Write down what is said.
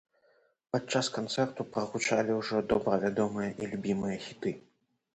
Падчас канцэрту прагучалі ўжо добра вядомыя і любімыя хіты.